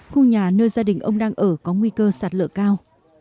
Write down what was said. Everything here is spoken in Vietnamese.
khu nhà nơi gia đình ông đang ở có nguy cơ sạt lở cao